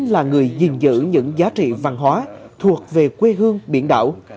là người gìn giữ những giá trị văn hóa thuộc về quê hương biển đảo